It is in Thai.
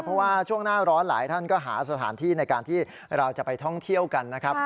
เพราะว่าช่วงหน้าร้อนหลายท่านก็หาสถานที่ในการที่เราจะไปท่องเที่ยวกันนะครับ